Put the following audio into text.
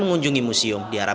kebangkitan nasional itu sendiri